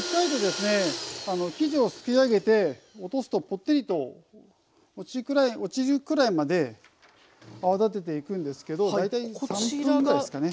生地をすくい上げて落とすとポッテリと落ちるくらいまで泡立てていくんですけど大体３分ぐらいですかね。